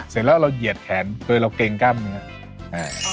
เสร็จเราเหยียดแขนตัวตัวเราเกรงก้าวมือ